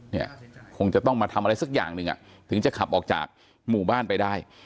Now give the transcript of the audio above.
เนี่ยคงจะต้องมาทำอะไรสักอย่างหนึ่งอ่ะถึงจะขับออกจากหมู่บ้านไปได้